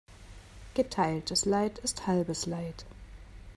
Geteiltes Leid ist halbes Leid.